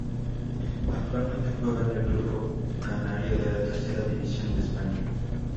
Actualmente juega en el grupo canario de la Tercera División de España.